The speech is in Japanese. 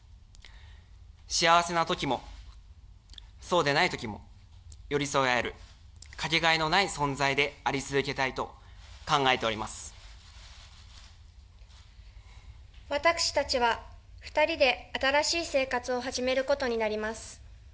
幸せなときも、そうでないときも寄り添い合える掛けがえのない存在であり続けた私たちは、２人で新しい生活を始めることになります。